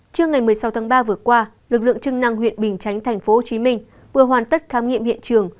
trước ngày một mươi sáu tháng ba vừa qua lực lượng chức năng huyện bình chánh tp hcm vừa hoàn tất khám nghiệm hiện trường